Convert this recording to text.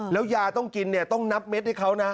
แล้วยาต้องกินเนี่ยต้องนับเม็ดให้เขานะ